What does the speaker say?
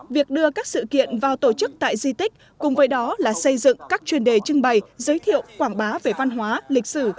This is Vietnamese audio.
việc đưa các sự kiện vào tổ chức tại di tích cùng với đó là xây dựng các chuyên đề trưng bày giới thiệu quảng bá về văn hóa lịch sử